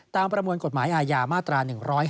ประมวลกฎหมายอาญามาตรา๑๕